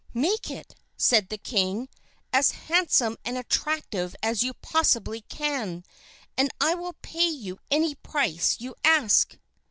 "Make it" said the king, "as handsome and attractive as you possibly can, and I will pay you any price you ask."